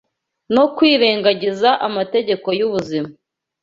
no kwirengagiza amategeko y’ubuzima